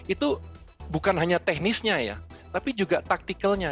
itu bukan hanya teknisnya ya tapi juga taktikalnya